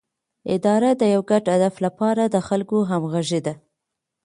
اداره د یو ګډ هدف لپاره د خلکو همغږي ده